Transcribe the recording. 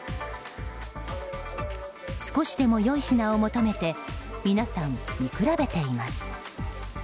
少しでも良い品を求めて皆さん、見比べています。